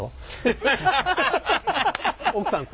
奥さん。